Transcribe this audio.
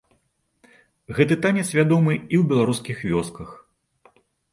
Гэты танец вядомы і ў беларускіх вёсках.